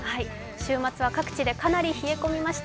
週末は各地でかなり冷え込みました。